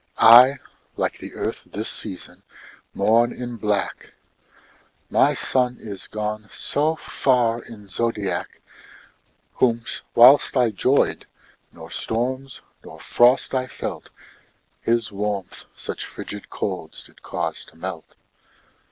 I, like the Earth this season, mourn in black, My Sun is gone so far in's zodiac, Whom whilst I 'joyed, nor storms, nor frost I felt, His warmth such fridged colds did cause to melt.